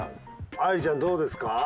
愛梨ちゃんどうですか？